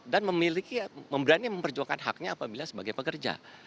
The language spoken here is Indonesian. dan memiliki memberani memperjuangkan haknya apabila sebagai pekerja